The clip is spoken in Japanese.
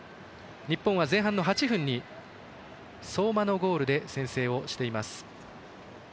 日本は前半の８分に相馬のゴールで先制をしています。